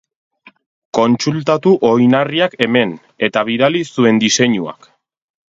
Kontsultatu oinarriak hemen, eta bidali zuen diseinuak.